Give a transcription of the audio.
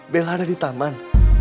bella ada di taman